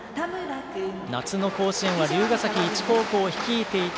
夏の甲子園は龍ヶ崎一高校を率いていた